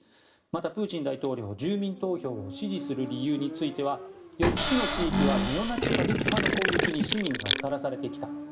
また、プーチン大統領は住民投票を支持する理由については４つの地域はネオナチ過激派の攻撃に市民がさらされてきた。